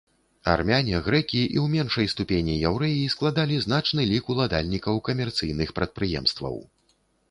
Армяне, грэкі і ў меншай ступені яўрэі складалі значны лік уладальнікаў камерцыйных прадпрыемстваў.